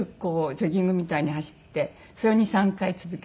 ジョギングみたいに走ってそれを２３回続けて。